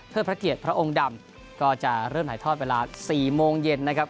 พระเกียรติพระองค์ดำก็จะเริ่มถ่ายทอดเวลา๔โมงเย็นนะครับ